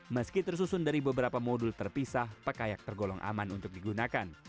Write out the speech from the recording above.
meski tersusun dari beberapa modul terpisah pekayak tergolong aman untuk digunakan